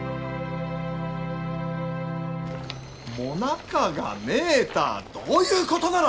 ・もなかがねえたあどういうことなら！